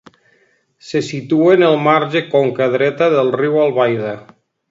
Se situa en el marge conca dreta del riu Albaida.